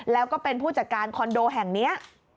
แล้วก็เป็นผู้จัดการคอนโดแห่งนี้